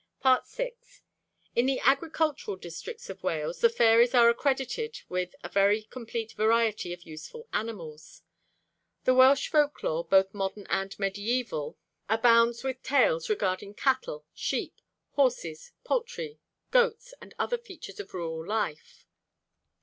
FOOTNOTE: See Index. VI. In the agricultural districts of Wales, the fairies are accredited with a very complete variety of useful animals; and Welsh folk lore, both modern and medieval, abounds with tales regarding cattle, sheep, horses, poultry, goats, and other features of rural life.